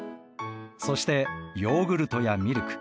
そしてヨーグルトやミルク